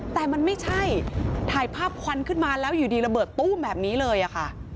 แต่มันไม่ใช่ถ่ายภาพควันขึ้นมาแล้วอยู่ดีระเบิดตู้มแบบนี้เลยค่ะ